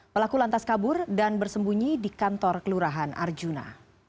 pelaku lantas kabur dan bersembunyi di kantor kelurahan arjuna